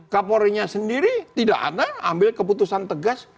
kapolrinya sendiri tidak ada ambil keputusan tegas